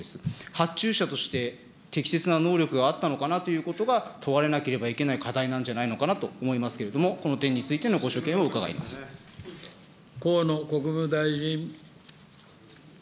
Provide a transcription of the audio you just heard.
発注者として、適切な能力があったのかなということが問われなければいけない課題なんじゃないのかなと思いますけれども、この点河野国務大臣。